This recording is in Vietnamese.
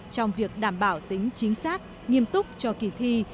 trong việc đảm bảo tính chính xác nghiêm túc cho kỳ thi